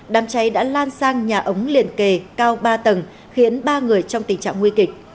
đám cháy đã lan sang nhà ống liền kề cao ba tầng khiến ba người trong tình trạng nguy kịch